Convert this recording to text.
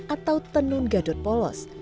atau tenun gadot polos